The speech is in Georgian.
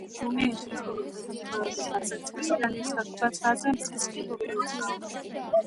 ასტრონომიაში წელიწადის დროების დასაწყისი განისაზღვრება ცაზე მზის ხილული მოძრაობით.